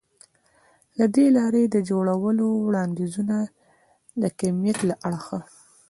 له دې لارې د جوړو وړاندیزونه د کمیت له اړخه